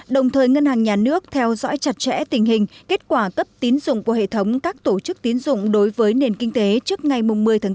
đồng thời ngân hàng nhà nước theo dõi chặt chẽ tình hình kết quả cấp tín dụng của hệ thống các tổ chức tín dụng đối với nền kinh tế trước ngày một mươi tháng bốn